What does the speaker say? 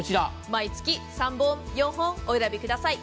毎月、３本、４本お選びください。